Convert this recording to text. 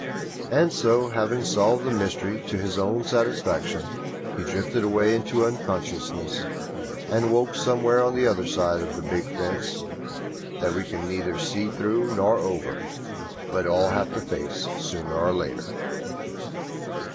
_" And so, having solved the mystery to his own satisfaction, he drifted away into unconsciousness and woke somewhere on the other side of the big fence that we can neither see through nor over, but all have to face sooner or later.